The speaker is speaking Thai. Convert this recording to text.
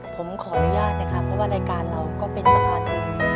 ผมขออนุญาตนะครับเพราะว่ารายการเราก็เป็นสภาพหนึ่ง